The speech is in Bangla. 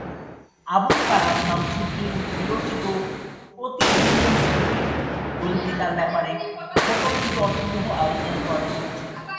আবুল কালাম শামসুদ্দিন বিরচিত "অতীত দিনের স্মৃতি" গ্রন্থে তাঁর ব্যাপারে ছোট কিন্তু অর্থবহ আলোচনা করা হয়েছে।